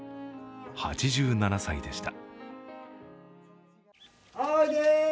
８７歳でした。